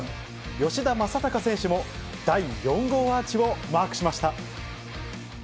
吉田正尚選手も、第４号アーチをマークしました。